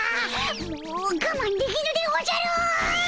もうがまんできぬでおじゃる！